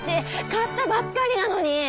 買ったばっかりなのに！